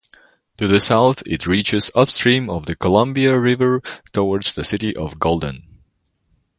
To the south it reaches upstream the Columbia River towards the city of Golden.